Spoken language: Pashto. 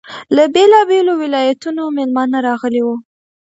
له بېلابېلو ولایتونو میلمانه راغلي وو.